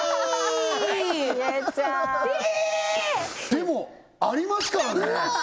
でもありますからねうわ